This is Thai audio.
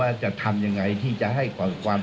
ยังไม่หมด